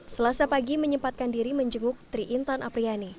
selasa pagi menyempatkan diri menjenguk triintan apriyani